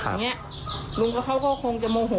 กลับมาอีกรอบหนึ่งเขาก็ถามว่า